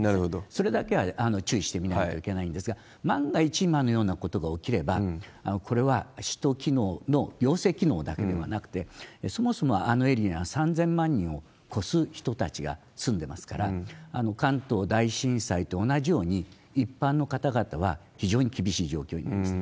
それだけは注意して見ないといけないんですが、万が一、今のようなことが起きれば、これは首都機能の行政機能だけではなくて、そもそもあのエリアは３０００万人を超す人たちが住んでますから、関東大震災と同じように、一般の方々は非常に厳しい状況になります。